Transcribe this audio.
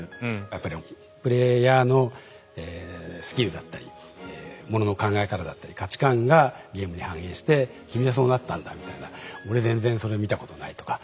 やっぱりプレイヤーのスキルだったりものの考え方だったり価値観がゲームに反映して「君はそうなったんだ？」みたいな「俺全然それ見たことない」とか。